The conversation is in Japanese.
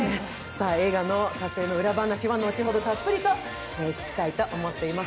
映画の撮影の裏話は後ほどたっぷりと伺いたいと思います。